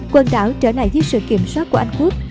quần đảo trở lại dưới sự kiểm soát của anh quốc